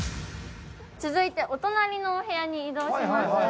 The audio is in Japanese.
続いて、お隣のお部屋に移動します。